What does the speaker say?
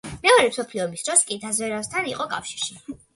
მეორე მსოფლიო ომის დროს კი დაზვერვასთან იყო კავშირში.